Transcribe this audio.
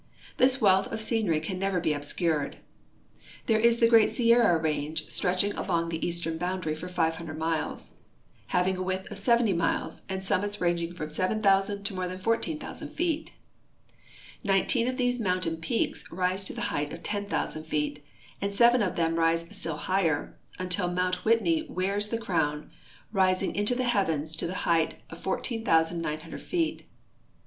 This wealth of scenery can never be obscured. There is the great Sierra range stretching along the eastern boundary for 500 miles, having a width of 70 miles and summits ranging from 7,000 to more than 14,000 feet. Nineteen of these mountain peaks rise to the height of 10,000 feet, and seven of them rise still higher, until mount Whitney wears the crown, rising into the heavens to the height of 14,900 feet.